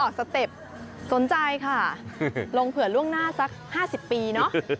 สเต็ปสนใจค่ะลงเผื่อล่วงหน้าสัก๕๐ปีเนอะ